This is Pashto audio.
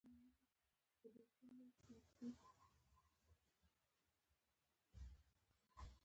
علي له کلیوالو سره په نه خبره خوله مرداره کړله.